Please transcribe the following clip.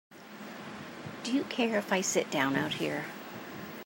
Do you care if I sit down out here?